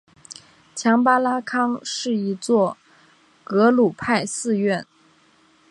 强巴拉康是一座格鲁派寺院。